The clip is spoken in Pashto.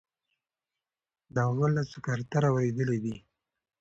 د هغه له سکرتر اوریدلي دي.